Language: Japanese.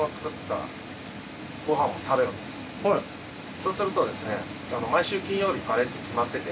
そうするとですね毎週金曜日カレーって決まってて。